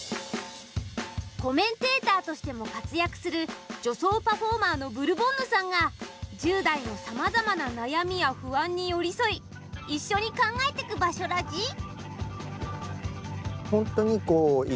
コメンテーターとしても活躍する、女装パフォーマーのブルボンヌさんが１０代のさまざまな悩みや不安に寄り添い一緒に考えてく場所ラジ。